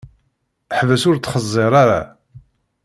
Ḥbes ur ttxeẓẓiṛ ara!